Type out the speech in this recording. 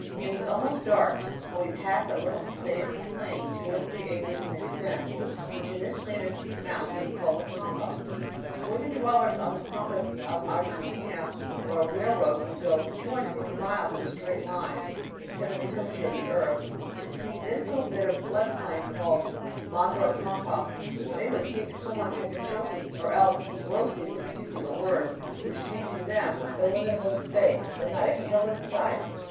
It was almost dark when we passed a little sandy plain two or three acres in extent, which in this land of steep mountains is called a pampa. Were the dwellers on the pampas of Argentina where a railroad can go for 250 miles in a straight line, except for the curvature of the earth to see this little bit of flood plain called Mandor Pampa, they would think some one had been joking or else grossly misusing a word which means to them illimitable space with not a hill in sight.